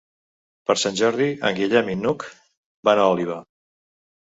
Per Sant Jordi en Guillem i n'Hug van a Oliva.